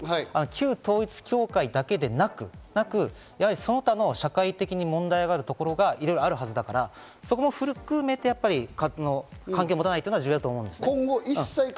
旧統一教会だけでなく、その他の社会的に問題があるところがいろいろあるはずだから、そこも含めて関係を持たないというのが重要だと思います。